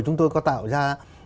chúng tôi có tạo ra